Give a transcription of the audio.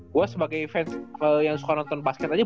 gue sebagai fans yang suka nonton basket aja